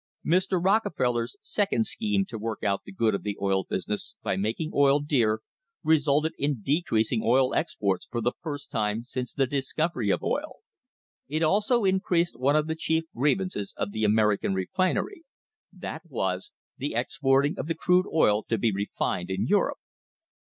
Mr. Rockefeller's second scheme to work out the good of the oil business by making oil dear resulted in decreasing oil exports for the first time since the discovery of oil.* It also increased one of the chief grievances of the American re finery that was, the exporting of the crude oil to be refined in Europe.